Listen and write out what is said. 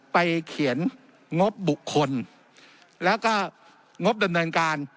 เขียนงบบุคคลแล้วก็งบดำเนินการ